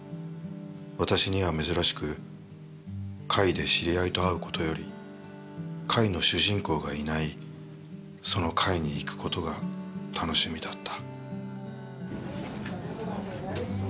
私には珍しく、会で知り合いと会うことより会の主人公がいないその会に行くことが楽しみだった」。